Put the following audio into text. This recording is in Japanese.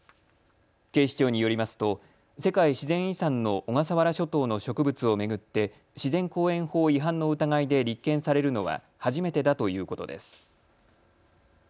警視庁によりますと世界自然遺産の小笠原諸島の植物を巡って自然公園法違反の疑いで立件されるのは初めてだということです。